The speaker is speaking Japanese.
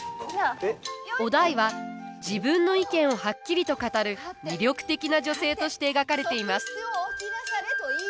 於大は自分の意見をはっきりと語る魅力的な女性として描かれています。